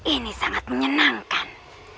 ini sangat menyenangkan